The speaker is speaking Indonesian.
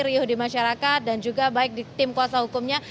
riudi masyarakat dan juga baik di tim kuasa hukumnya